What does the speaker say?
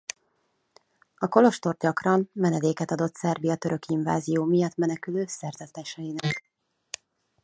A kolostor gyakran menedéket adott Szerbia török invázió miatt menekülő szerzeteseinek.